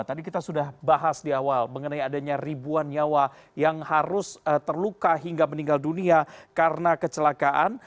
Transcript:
tadi kita sudah bahas di awal mengenai adanya ribuan nyawa yang harus terluka hingga meninggal dunia karena kecelakaan